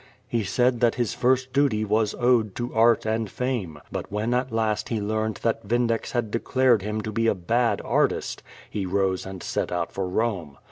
*' He said that his first duty was owed to art and fame. But when at last he learned that Yindex had declared him to be a bad artist, he rose and set out for Rome.